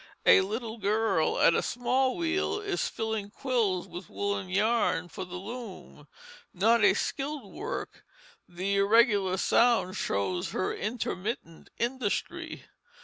A little girl at a small wheel is filling quills with woollen yarn for the loom, not a skilled work; the irregular sound shows her intermittent industry.